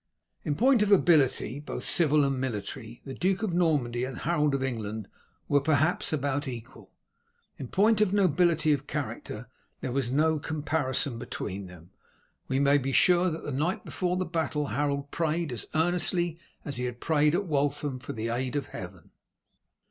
In point of ability, both civil and military, the Duke of Normandy and Harold of England were perhaps about equal; in point of nobility of character there was no comparison between them. We may be sure that the night before the battle Harold prayed as earnestly as he had prayed at Waltham for the aid of Heaven.